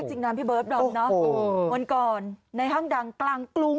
จริงนั้นพี่เบิฟน้องนะวันก่อนในห้างดังกลางกรุง